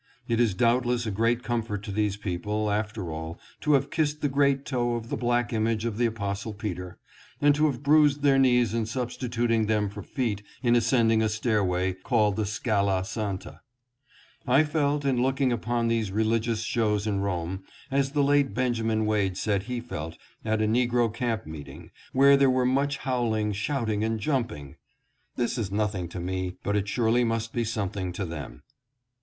It is doubtless a great comfort to these people, after all, to have kissed the great toe of the black image of the Apostle Peter, and to have bruised their knees in substituting them for feet in ascending a stairway, called the Scala Santa. THE RIDE FROM ROME TO NAPLES. 701 I felt, in looking upon these religious shows in Rome, as the late Benjamin Wade said he felt at a negro camp meeting, where there were much howling, shouting, and jumping :" This is nothing to me, but it surely must be something to them."